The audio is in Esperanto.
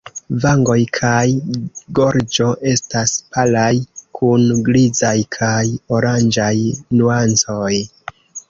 Vangoj kaj gorĝo estas palaj kun grizaj kaj oranĝaj nuancoj.